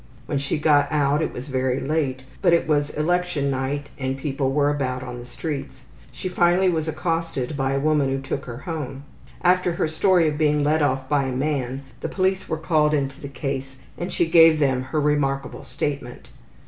When she got out it was very late, but it was election night and people were about on the street. She finally was accosted by a woman who took her home. After her story of being led off by a man the police were called into the case and she gave them her remarkable statement.